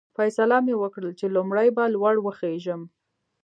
فیصله مې وکړل چې لومړی به لوړ وخېژم.